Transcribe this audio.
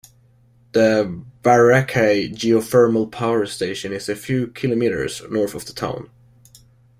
The Wairakei geothermal power station is a few kilometres north of the town.